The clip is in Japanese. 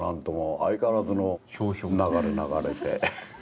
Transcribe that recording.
相変わらずの流れ流れで。